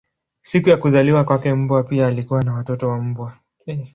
Siku ya kuzaliwa kwake mbwa pia alikuwa na watoto wa mbwa.